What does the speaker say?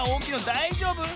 だいじょうぶ？